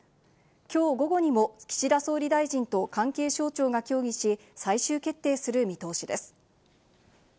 きょう午後にも岸田総理大臣と関係省庁が協議し、最終決定する見通しです。